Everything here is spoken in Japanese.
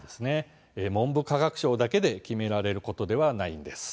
文部科学省だけで決められることではないんです。